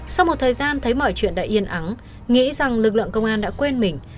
sau một thời gian thấy mọi chuyện đã yên ắng nghĩ rằng lực lượng công an đã quên mình